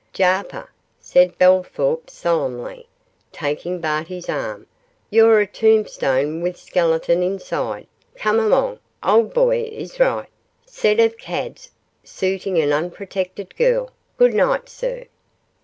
'Jarper,' said Bellthorp, solemnly, taking Barty's arm, 'you're a tombstone with skeleton inside come along old boy is right set of cads 'suiting an unprotected gal good night, sir.